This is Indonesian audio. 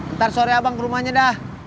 ntar sore abang ke rumahnya dah